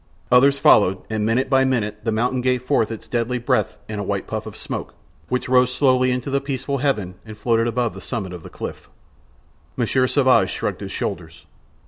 Others followed, and minute by minute the mountain gave forth its deadly breath and a white puff of smoke, which rose slowly into the peaceful heaven and floated above the summit of the cliff. Monsieur Sauvage shrugged his shoulders.